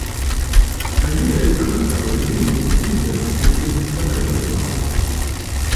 Aliaj ankaŭ nun okupiĝas pri teksaĵoj.